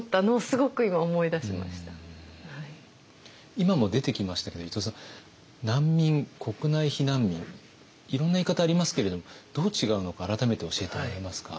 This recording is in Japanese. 今も出てきましたけど伊藤さん難民国内避難民いろんな言い方ありますけれどもどう違うのか改めて教えてもらえますか。